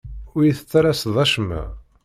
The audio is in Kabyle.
Ur yi-tettalaseḍ acemma.